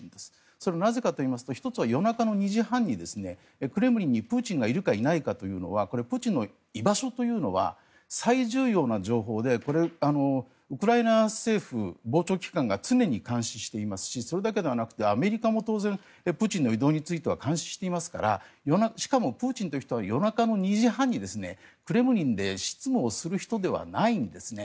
それはなぜかといいますと１つは夜中の２時半にクレムリンにプーチンがいるかいないかというのはプーチンの居場所というのは最重要な情報でウクライナ政府、防諜機関が常に監視していますしそれだけではなくてアメリカも当然プーチンの移動に関しては監視をしていますからしかもプーチンは夜中の２時半にクレムリンで執務をする人ではないんですね。